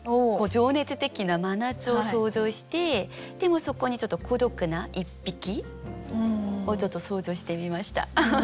情熱的な真夏を想像してでもそこにちょっと孤独な１匹をちょっと想像してみました。